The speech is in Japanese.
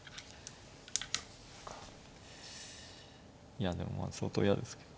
いやでもまあ相当嫌ですけど。